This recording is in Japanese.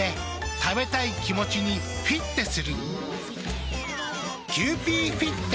食べたい気持ちにフィッテする。